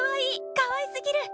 かわいすぎる！